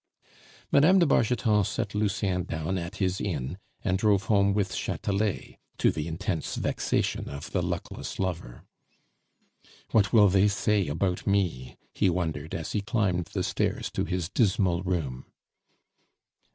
Mme. de Bargeton set Lucien down at his inn, and drove home with Chatelet, to the intense vexation of the luckless lover. "What will they say about me?" he wondered, as he climbed the stairs to his dismal room.